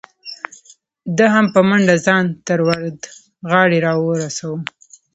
ده هم په منډه ځان تر وردغاړې را ورسو.